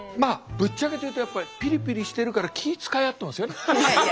ぶっちゃけて言うとピリピリしてるから気ぃ遣い合ってますよね。